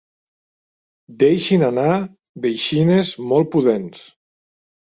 Deixin anar veixines molt pudents.